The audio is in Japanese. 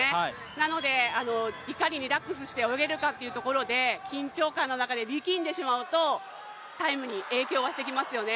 なので、いかにリラックスして泳げるかということで、緊張感の中で力んでしまうとタイムに影響はしてきますよね。